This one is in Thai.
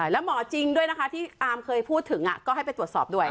แล้วหมอจริงด้วยนะคะที่อาร์มเคยพูดถึงก็ให้ไปตรวจสอบด้วย